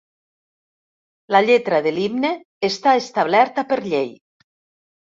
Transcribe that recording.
La lletra de l'himne està establerta per llei.